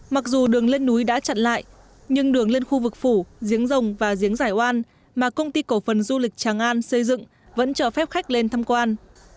mặc dù đường lên núi đã chặn lại nhưng đường lên khu vực phủ giếng rồng và giếng giải oan mà công ty cổ phần du lịch tràng an xây dựng vẫn cho phép khách lên thăm quan